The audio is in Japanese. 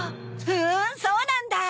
ふんそうなんだ。